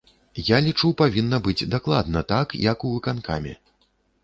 Я лічу павінна быць дакладна так, як у выканкаме.